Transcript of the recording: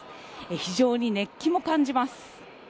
非常に熱気も感じます。